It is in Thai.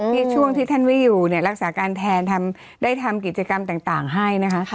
ช่วงที่ท่านไม่อยู่เนี่ยรักษาการแทนได้ทำกิจกรรมต่างให้นะคะ